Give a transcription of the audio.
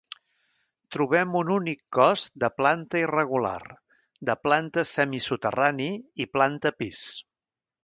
Trobem un únic cos de planta irregular, de planta semisoterrani i planta pis.